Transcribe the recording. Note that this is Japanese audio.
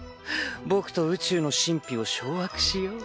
僕と宇宙の神秘を掌握しよう。